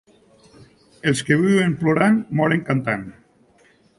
Els que viuen plorant, moren cantant.